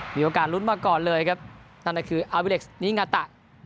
มีโอกาสลุ้นมาก่อนเลยครับนั่นก็คืออาวิเล็กซ์นิงาตะ